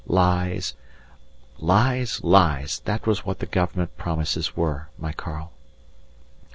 Lies! Lies! Lies! that was what the Government promises were, my Karl.